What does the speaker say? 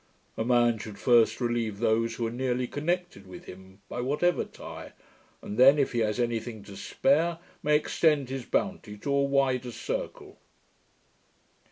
A man should first relieve those who are nearly connected with him, by whatever tie; and then, if he has any thing to spare, may extend his bounty to a wider circle.'